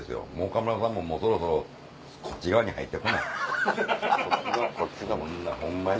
岡村さんももうそろそろこっち側に入って来なホンマに。